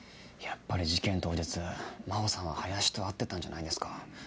やっぱり事件当日真帆さんは林と会ってたんじゃないですか？